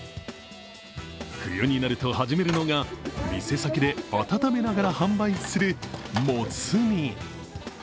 冬になると始めるのが店先で温めながら販売するもつ煮。